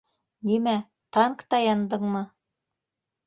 Нимә, танкта яндыңмы?